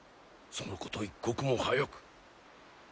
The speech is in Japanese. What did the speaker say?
そのこと一刻も早く！